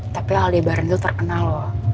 tapi aldebaran itu terkenal loh